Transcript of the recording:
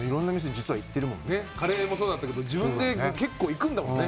カレーもそうだったけど自分で結構行くんだもんね。